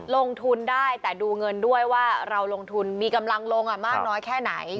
ลงทุนได้แต่ดูเงินด้วยว่าเราลงทุนมีกำลังลงมากน้อยแค่ไหน